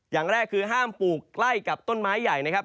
อย่างแรกคือห้ามปลูกใกล้กับต้นไม้ใหญ่นะครับ